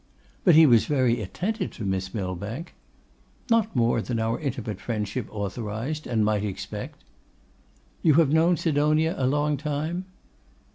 'But he was very attentive to Miss Millbank?' 'Not more than our intimate friendship authorised, and might expect.' 'You have known Sidonia a long time?